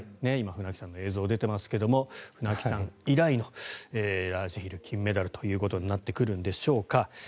今、船木さんの映像が出ていますが船木さん以来のラージヒル金メダルということになってくるんでしょうか。